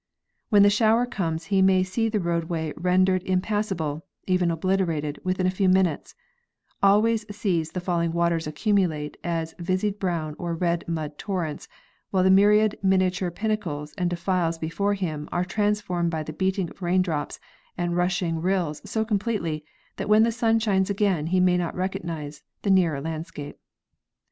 When the shower comes he may see the roadway rendered impassable, even obliterated, within a few minutes; always sees the fall ing waters accumulate as viscid brown or red mud torrents, while the myriad miniature pinnacles and defiles before him are transformed by the beating raindrops and rushing rills so completely, that when the sun shines again he may not recognize the nearer landscape.